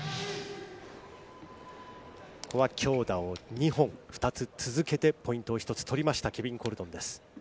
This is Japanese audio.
ここは強打を２本、２つ続けてポイントを一つ取りました、ケビン・コルドンです。